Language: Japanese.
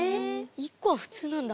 １個は普通なんだ。